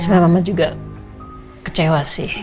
sama mama juga kecewa sih